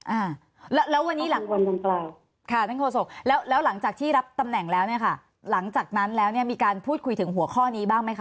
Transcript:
อ่าแล้ววันนี้หลังค่ะแล้วหลังจากที่รับตำแหน่งแล้วเนี่ยค่ะหลังจากนั้นแล้วเนี่ยมีการพูดคุยถึงหัวข้อนี้บ้างไหมคะ